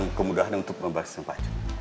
dan kemudahan untuk membahas sama pak jun